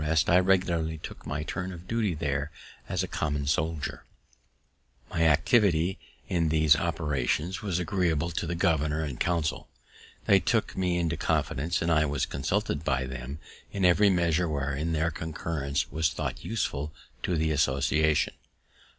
[Illustration: "I regularly took my turn of duty there as a common soldier"] My activity in these operations was agreeable to the governor and council; they took me into confidence, and I was consulted by them in every measure wherein their concurrence was thought useful to the association.